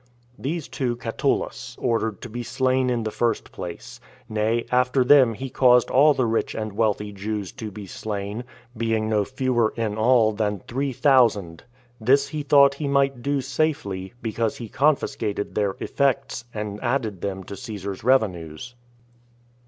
These two Catullus ordered to be slain in the first place; nay, after them he caused all the rich and wealthy Jews to be slain, being no fewer in all than three thousand. This he thought he might do safely, because he confiscated their effects, and added them to Caesar's revenues.